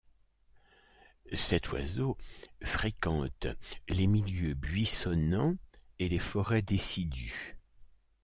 Cet oiseau fréquente les milieux buissonnants et les forêts décidues.